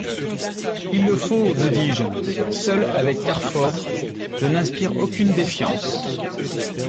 Il le faut, vous dis-je ! Seul avec Carfor, je n'inspire aucune défiance.